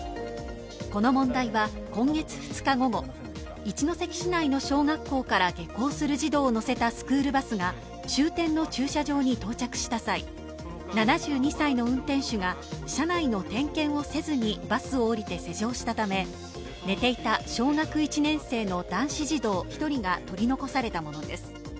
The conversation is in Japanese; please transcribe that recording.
この問題は今月２日午後一関市内の小学校から下校する児童を乗せたスクールバスが終点の駐車場に到着した際、７２歳の運転手が車内の点検をせずにバスを降りて施錠したため寝ていた小学１年生の男子児童１人が取り残されたものです。